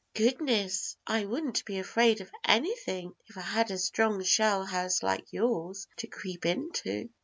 "Goodness, I wouldn't be afraid of anything if I had a strong shell house like yours to creep into."